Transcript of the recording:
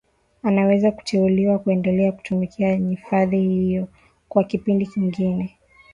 anaweza kuteuliwa kuendelea kutumikia nyadhifa hiyo kwa kipindi kingine